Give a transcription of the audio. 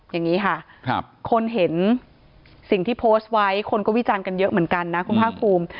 อย่างนี้ค่ะคนเห็นสิ่งที่โพสต์ไว้คนก็วิจารณ์กันเยอะเหมือนกันนะคุณภาคภูมิ